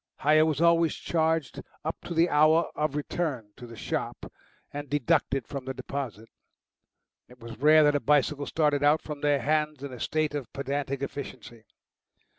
Hire was always charged up to the hour of return to the shop and deducted from the deposit. It was rare that a bicycle started out from their hands in a state of pedantic efficiency.